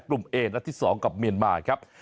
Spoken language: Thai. กุ้มเอสนับที่สองกับเมียนมาร์ครับ